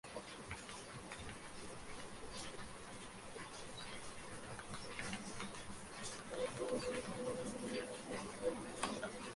Además de los elementos de su fórmula, suele llevar como impurezas: plata y talio.